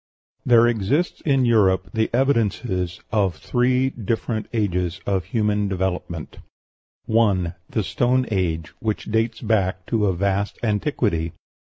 There exist in Europe the evidences of three different ages of human development: 1. The Stone Age, which dates back to a vast antiquity.